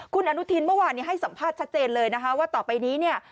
คุณอนุทินเมื่อวานให้สัมภาษณ์ชัดเจนเลยนะคะว่าต่อไปนี้เนี่ย